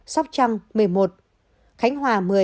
sóc trăng một mươi một khánh hòa một mươi